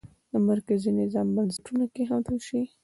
د مرکزي نظام بنسټونه کېښودل شي.